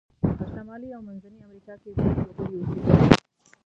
په شمالي او منځني امریکا کې زیات وګړي اوسیدل.